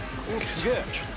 すげえ！